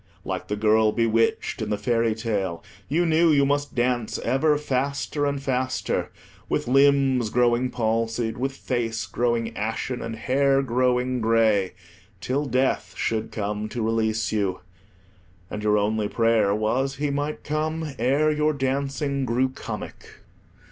Like the girl bewitched in the fairy tale, you knew you must dance ever faster and faster, with limbs growing palsied, with face growing ashen, and hair growing grey, till Death should come to release you; and your only prayer was he might come ere your dancing grew comic.